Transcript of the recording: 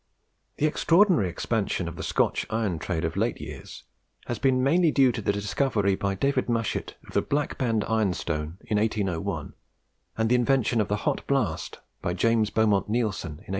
The extraordinary expansion of the Scotch iron trade of late years has been mainly due to the discovery by David Mushet of the Black Band ironstone in 1801, and the invention of the Hot Blast by James Beaumont Neilson in 1828.